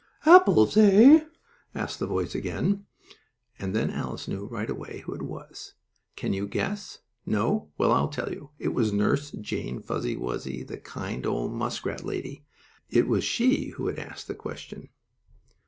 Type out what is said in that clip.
"Apples, eh?" asked the voice again, and then Alice knew right away who it was. Can you guess? No? Well, I'll tell you. It was Nurse Jane Fuzzy Wuzzy, the kind old muskrat lady. It was she who had asked the question.